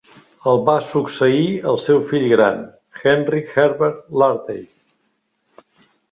El va succeir el seu fill gran, Henry Herbert Lartey.